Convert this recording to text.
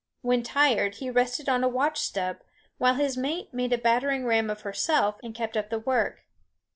When tired he rested on a watch stub, while his mate made a battering ram of herself and kept up the work.